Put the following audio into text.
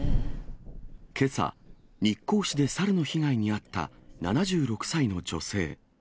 けさ、日光市で猿の被害に遭った７６歳の女性。